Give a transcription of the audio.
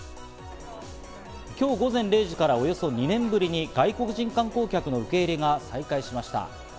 今日午前０時からおよそ２年ぶりに外国人観光客の受け入れが再開しました。